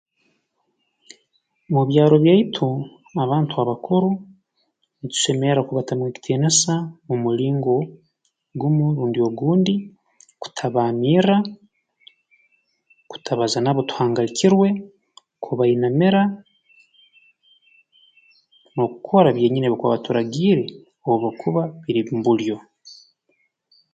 Mu byaro byaitu abantu abakuru ntusemerra kubatamu ekitiinisa omu mulingo gumu rundi ogundi kutabaamirra kutabaza nabo tuhangalikirwe kubainamira n'okukora byenyini ebi bakuba baturagiire obu bakuba biri mu bulyo